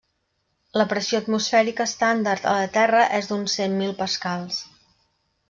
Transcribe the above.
La pressió atmosfèrica estàndard a la Terra és d'uns cent mil pascals.